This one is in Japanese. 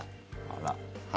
あら。